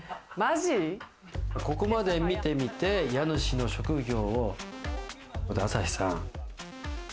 ここまで見てみて家主の職業を、朝日さん。